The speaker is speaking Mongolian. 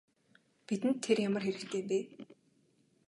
Бидэнд тэр ямар хэрэгтэй юм бэ?